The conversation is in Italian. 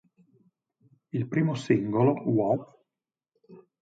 Il primo singolo, "What?